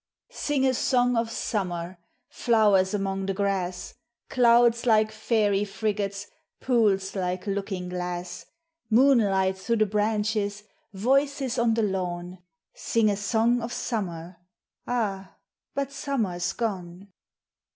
Sing a song of Summer! Flowers anion the grass, 192 POEMS OF NATURE. Clouds like fairy frigates, Pools like looking glass, Moonlight through the branches. Voices on the lawn; Sing a song of Summer, — Ah, but Summer 's gone!